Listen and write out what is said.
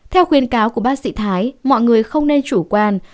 theo khuyến cáo của bác sĩ thái mọi người không nên chủ quan